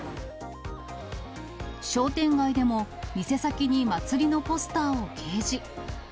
商店街でも店先に祭りのポスターを掲示。